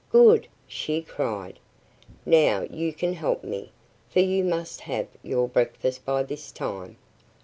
"Good!" she cried. "Now you can help me, for you must have had your breakfast by this time."